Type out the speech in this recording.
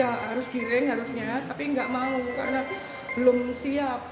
harus kiring harusnya tapi gak mau karena belum siap